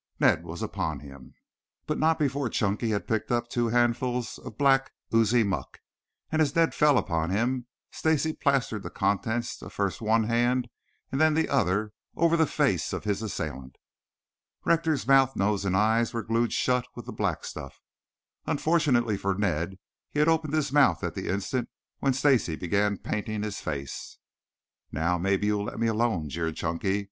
Ned was upon him, but not before Chunky had picked up two handfuls of black, oozy muck, and as Ned fell upon him, Stacy plastered the contents of first one hand, then the other, over the face of his assailant. Rector's mouth, nose and eyes were glued shut with the black stuff. Unfortunately for Ned he had opened his mouth at the instant when Stacy began painting his face. "Now, maybe you will let me alone," jeered Chunky.